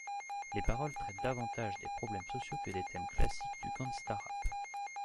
Les paroles traitent davantage des problèmes sociaux que des thèmes classiques du gangsta rap.